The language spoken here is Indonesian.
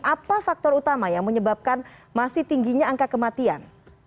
apa faktor utama yang menyebabkan masih tingginya angka kematian